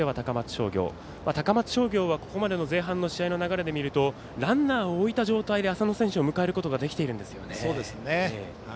商業高松商業はここまでの前半の流れを見るとランナーを置いた状態で浅野選手を迎えることができているんですよね。